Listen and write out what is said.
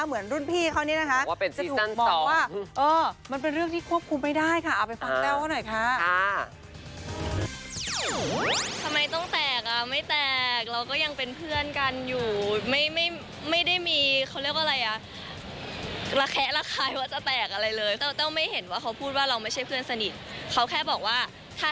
เหมือนรุ่นพี่เขานี้นะคะจะถูกบอกว่า